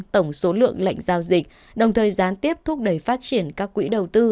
tổng số lượng lệnh giao dịch đồng thời gián tiếp thúc đẩy phát triển các quỹ đầu tư